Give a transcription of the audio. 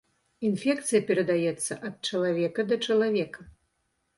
Інфекцыя перадаецца ад чалавека да чалавека.